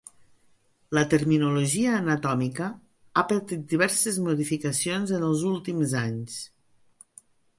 La terminologia anatòmica ha patit diverses modificacions en els últims anys.